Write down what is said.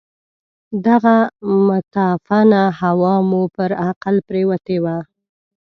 دغه متعفنه هوا مو پر عقل پرېوته ده.